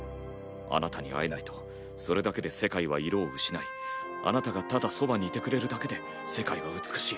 あなたに会えないとそれだけで世界は色を失いあなたがただそばにいてくれるだけで世界は美しい。